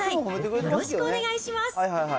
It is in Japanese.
よろしくお願いします。